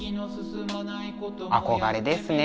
憧れですね。